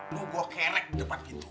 lu gue kerek di depan pintu